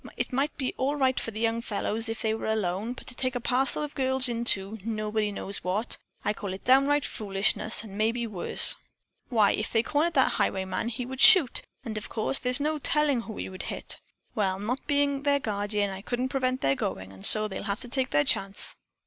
It might be all right for the young fellows if they were alone, but to take a parcel of girls into, nobody knows what, I call it downright foolishness and maybe worse. Why, if they cornered that highwayman, he would shoot, of course, and there's no tellin' who he would hit. Well, not being their guardeen, I couldn't prevent their goin', and so they'll have to take their chance."